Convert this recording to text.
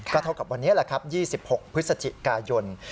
เท่ากับวันนี้แหละครับ๒๖พฤศจิกายน